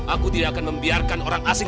aku tidak akan membiarkan orang asing